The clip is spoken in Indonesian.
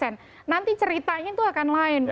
nanti ceritanya itu akan lain